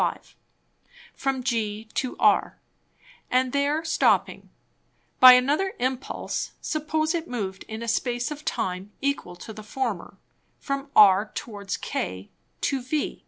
5._) from G to R, and there stopping, by another Impulse, suppose it moved in a Space of Time equal to the former, from R towards K, to V.